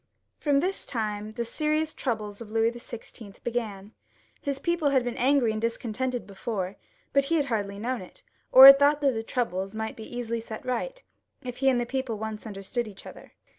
From this time the serious troubles of Louis XVI. began. His people had been angry and discontented be fore, but he had hardly known it, or had thought that the troubles might easily be set right, if he and the people once understood each other.